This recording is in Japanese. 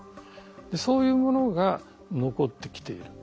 そういうものが残ってきている。